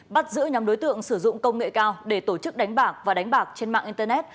bắt giữ nhóm đối tượng sử dụng công nghệ cao để tổ chức đánh bạc và đánh bạc trên mạng internet